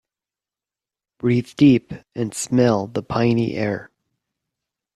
Breathe deep and smell the piny air.